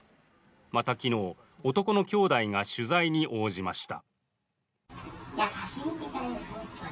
また昨日、男の兄弟が取材に応じました。